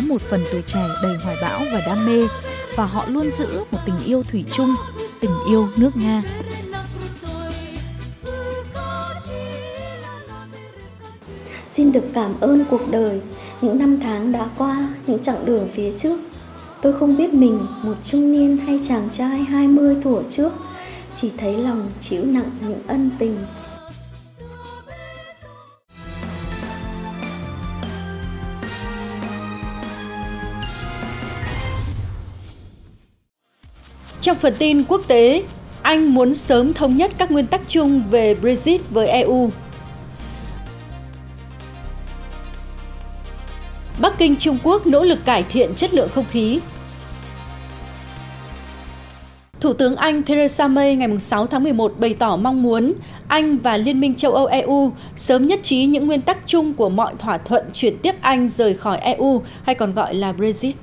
một bày tỏ mong muốn anh và liên minh châu âu eu sớm nhất trí những nguyên tắc chung của mọi thỏa thuận chuyển tiếp anh rời khỏi eu hay còn gọi là brexit